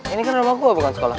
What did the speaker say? ini kan rumah gua bukan sekolah